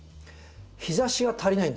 日ざしが足りないんだ。